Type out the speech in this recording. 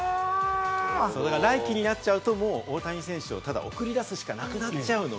それが来期になっちゃうと、もう大谷選手をただ送り出すしかなくなっちゃうので。